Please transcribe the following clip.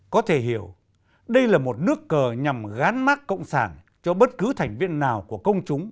có thể hiểu đây là một nước cờ nhằm gán mát cộng sản cho bất cứ thành viên nào của công chúng